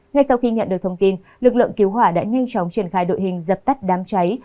ngay sau khi nhận được thông tin lực lượng cứu hỏa đã nhanh chóng triển khai đội hình dập tắt đám cháy